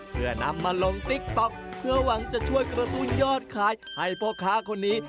เพื่อนำมาลงติ๊กต๊อกเพื่อหวังจะช่วยกระตุ้นยอดขายให้พ่อค้าคนนี้